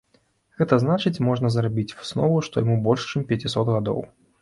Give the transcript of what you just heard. Гэта значыць можна зрабіць выснову, што яму больш чым пяцісот гадоў.